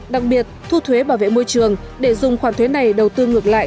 đặc biệt thu thuế bảo vệ môi trường để dùng khoản thuế này đầu tư ngược lại